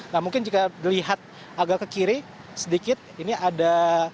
nah mungkin jika dilihat agak ke kiri sedikit ini ada